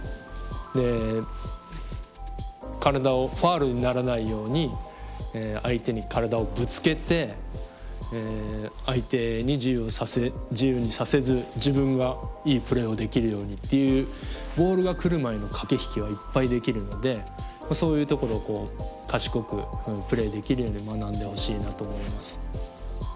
で体をファウルにならないように相手に体をぶつけて相手に自由にさせず自分がいいプレーをできるようにっていうボールが来る前の駆け引きはいっぱいできるのでそういうところを賢くプレーできるように学んでほしいなと思います。